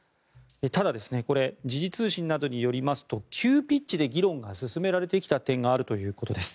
ただ、これ時事通信などによりますと急ピッチで議論が進められてきた点があるということです。